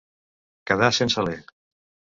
Quedar sense alè.